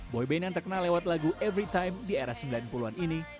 boyband yang terkenal lewat lagu everytime di era sembilan puluh an ini